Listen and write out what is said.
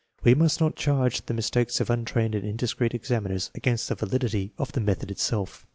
1 We must not charge the mis takes of untrained and indiscreet examiners against the validity of the method itself.